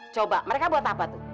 coba mereka buat apa tuh